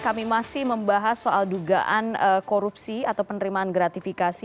kami masih membahas soal dugaan korupsi atau penerimaan gratifikasi